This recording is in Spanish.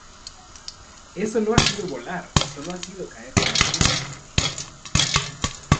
¡ Eso no ha sido volar! ¡ sólo ha sido caer con estilo!